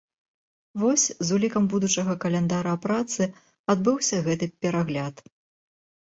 Вось з улікам будучага календара працы адбыўся гэты перагляд.